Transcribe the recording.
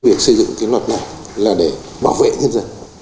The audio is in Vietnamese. việc xây dựng cái luật này là để bảo vệ nhân dân